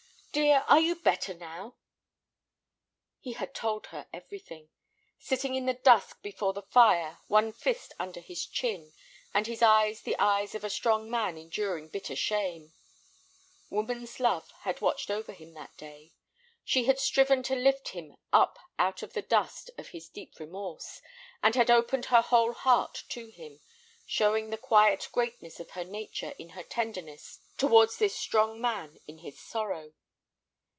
"Dear, are you better now?" He had told her everything, sitting in the dusk before the fire, one fist under his chin, and his eyes the eyes of a strong man enduring bitter shame. Woman's love had watched over him that day. She had striven to lift him up out of the dust of his deep remorse, and had opened her whole heart to him, showing the quiet greatness of her nature in her tenderness towards this strong man in his sorrow.